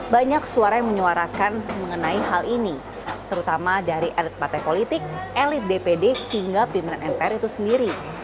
banyak suara yang menyuarakan mengenai hal ini terutama dari elit partai politik elit dpd hingga pimpinan mpr itu sendiri